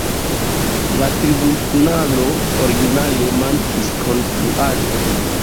La tribunalo originale mankis konstruaĵon.